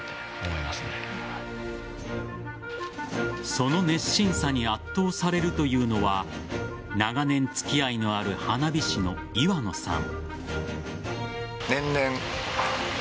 その熱心さに圧倒されるというのは長年付き合いのある花火師の岩野さん。